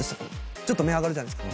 ちょっと目上がるじゃないですか。